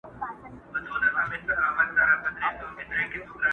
ډېر نومونه سول په منځ کي لاندي باندي.!